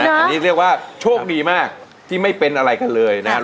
อันนี้เรียกว่าโชคดีมากที่ไม่เป็นอะไรกันเลยนะครับ